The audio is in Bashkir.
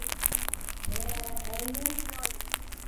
Ә, эйе...